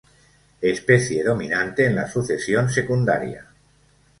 Especie dominante en la sucesión secundaria.